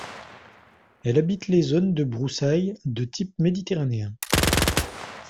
Elle habite les zones de broussailles de type méditerranéen.